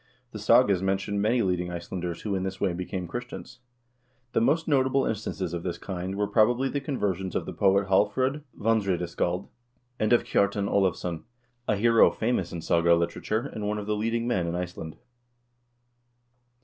The sagas mention many leading Icelanders who in this way became Christians. The most notable instances of this kind were, probably, the con versions of the poet Hallfr0d Vandraedaskald, and of Kjartan Olavsson, a hero famous in saga literature, and one of the leading men in Iceland.